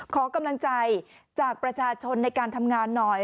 ขอกำลังใจจากประชาชนในการทำงานหน่อย